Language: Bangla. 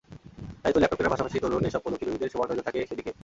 তাইতো ল্যাপটপ কেনার পাশাপাশি তরুণ এসব প্রযুক্তিপ্রেমীদের সমান নজর থাকে সেদিকে।